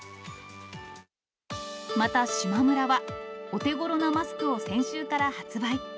また、しまむらは、お手ごろなマスクを先週から発売。